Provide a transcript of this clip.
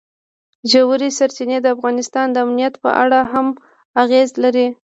ژورې سرچینې د افغانستان د امنیت په اړه هم اغېز لري.